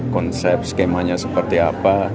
konsep skemanya seperti apa